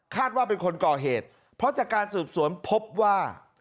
ว่าเป็นคนก่อเหตุเพราะจากการสืบสวนพบว่า